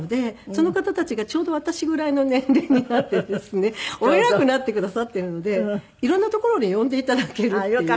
その方たちがちょうど私ぐらいの年齢になってですねお偉くなってくださっているので色んな所で呼んで頂けるっていう。